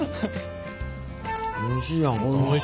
おいしいやんか。